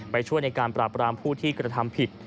ไปช่วยในการปราบรามผู้ที่กระทำผิด